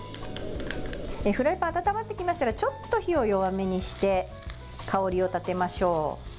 フライパン、温まってきましたらちょっと火を弱めにして香りを立てましょう。